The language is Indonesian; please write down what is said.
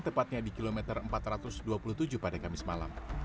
tepatnya di kilometer empat ratus dua puluh tujuh pada kamis malam